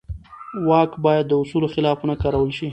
واک باید د اصولو خلاف ونه کارول شي.